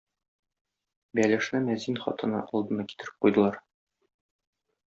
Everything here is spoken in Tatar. Бәлешне мәзин хатыны алдына китереп куйдылар.